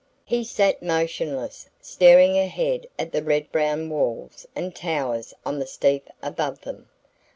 He sat motionless, staring ahead at the red brown walls and towers on the steep above them.